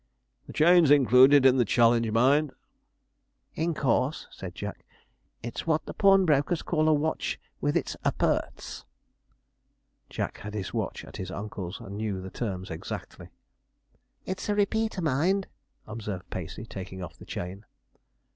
'The chain's included in the challenge, mind,' observed Sponge. 'In course,' said Jack; 'it's what the pawnbrokers call a watch with its appurts.' (Jack had his watch at his uncle's and knew the terms exactly.) 'It's a repeater, mind,' observed Pacey, taking off the chain.